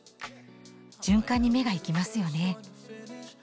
循環に目が行きますよね。